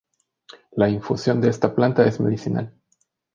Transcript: La infusión de esta planta es medicinal.